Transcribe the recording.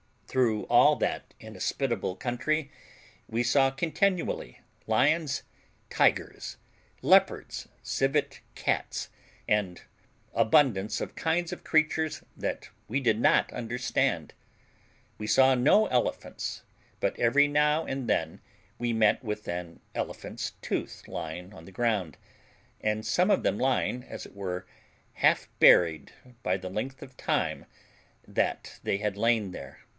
Through all that inhospitable country we saw continually lions, tigers, leopards, civet cats, and abundance of kinds of creatures that we did not understand; we saw no elephants, but every now and then we met with an elephant's tooth lying on the ground, and some of them lying, as it were, half buried by the length of time that they had lain there.